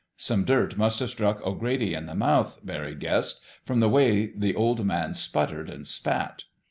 Some dirt must have struck O'Grady in the mouth, Barry guessed, from the way the Old Man sputtered and spat.